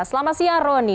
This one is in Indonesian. selamat siang rony